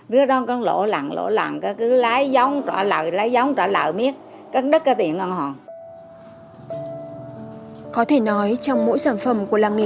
đứa đó con lỗ lằn lỗ lằn cứ lái giống trả lợi lái giống trả lợi miếng